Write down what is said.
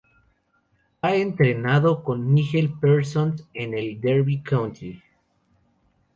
Ha entrenado con Nigel Pearson en el Derby County.